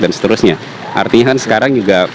dan seterusnya artinya kan sekarang juga